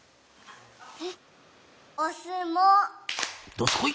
どすこい。